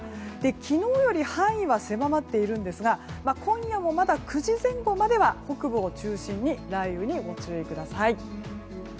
昨日より範囲は狭まっているんですが今夜もまだ９時前後までは北部を中心に雷雨にご注意ください。